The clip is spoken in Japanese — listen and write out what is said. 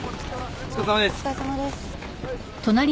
お疲れさまです。